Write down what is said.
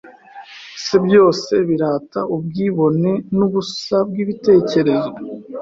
Se byose birata ubwibone nubusa bwibitekerezo